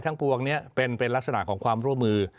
ปวงนี้เป็นลักษณะของความร่วมมือ